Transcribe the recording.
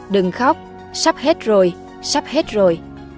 đừng khóc sắp hết rồi sắp hết rồi